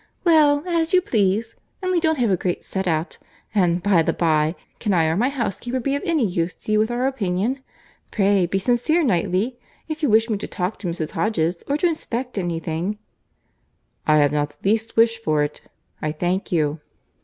"Well—as you please; only don't have a great set out. And, by the bye, can I or my housekeeper be of any use to you with our opinion?—Pray be sincere, Knightley. If you wish me to talk to Mrs. Hodges, or to inspect anything—" "I have not the least wish for it, I thank you."